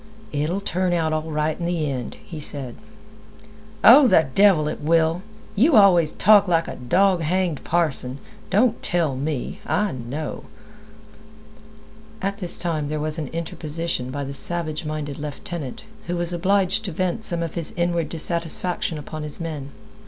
"It'll turn out all right in th' end," he said. "Oh, the devil it will! You always talk like a dog hanged parson. Don't tell me! I know—" At this time there was an interposition by the savage minded lieutenant, who was obliged to vent some of his inward dissatisfaction upon his men.